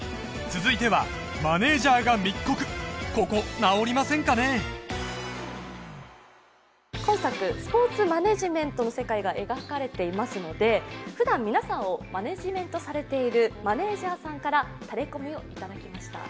続いては今作スポーツマネージメントの世界が描かれていますのでふだん皆さんをマネージメントされているマネージャーさんからタレコミをいただきました